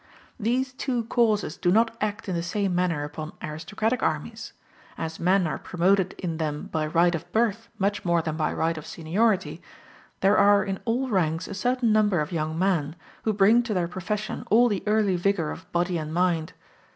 These two causes do not act in the same manner upon aristocratic armies: as men are promoted in them by right of birth much more than by right of seniority, there are in all ranks a certain number of young men, who bring to their profession all the early vigor of body and mind.